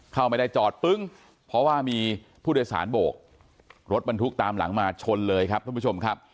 เข้าไม่ได้จอดปึ้งเพราะว่ามีผู้โดยสารโบกรถบรรทุกตามหลังมาชนเลยครับท่านผู้ชมครับ